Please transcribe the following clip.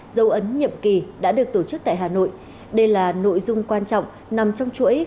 dấu ấn nhiệm kỳ đã được tổ chức tại hà nội đây là nội dung quan trọng nằm trong chuỗi